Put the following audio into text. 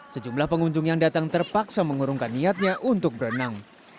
sejumlah pengunjung yang datang terpaksa mengurungkan niatnya untuk berenang